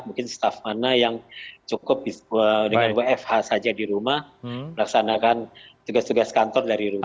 mungkin staff mana yang cukup dengan wfh saja di rumah melaksanakan tugas tugas kantor dari rumah